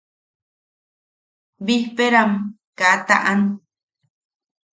Bijpeeram kaa taʼan.